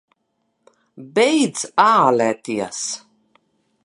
Beidz ālēties!